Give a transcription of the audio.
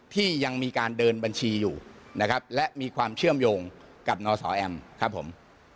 ที่ยังมีการเดินบัญชีอยู่นะครับและมีความเชื่อมโยงกับนสแอมครับผม